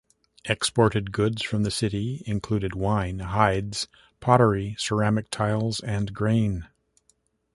Exported goods from the city included wine, hides, pottery, ceramic tiles and grain.